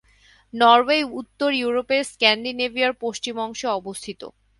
Norway উত্তর ইউরোপের স্ক্যান্ডিনেভিয়ার পশ্চিম অংশে অবস্থিত।